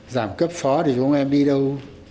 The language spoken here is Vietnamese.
giảm cấp phó thì chúng em đi đâu